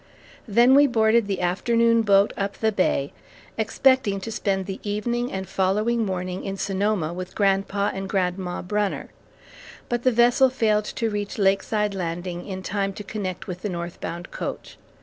Then we boarded the afternoon boat up the bay, expecting to spend the evening and following morning in Sonoma with Grandpa and Grandma Brunner, but the vessel failed to reach Lakeside Landing in time to connect with the northbound coach.